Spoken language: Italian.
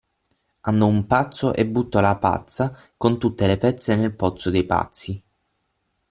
Andò un pazzo e buttò la pazza con tutte le pezze nel pozzo dei pazzi.